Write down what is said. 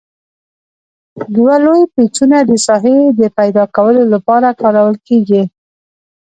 دوه لوی پیچونه د ساحې د پیداکولو لپاره کارول کیږي.